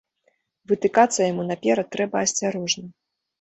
Вытыкацца яму наперад трэба асцярожна.